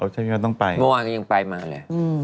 อ๋อใช่พี่ม่าต้องไปเมื่อวานก็ยังไปมาแหละ